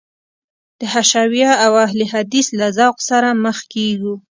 د حشویه او اهل حدیث له ذوق سره مخ کېږو.